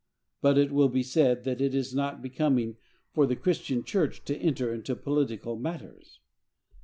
But, it will be said that it is not becoming for the Christian church to enter into political matters.